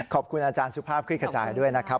ขอบคุณอาจารย์สุภาพคลิกขจายด้วยนะครับ